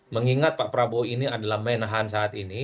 mengingat pak prabowo ini adalah menahan saat ini